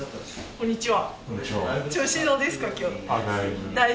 こんにちは。